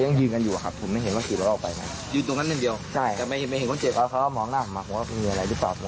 มึงก็คิดว่าไม่มีอะไรมึงก็ขีดออกไป